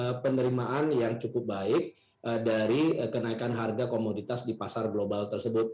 ada penerimaan yang cukup baik dari kenaikan harga komoditas di pasar global tersebut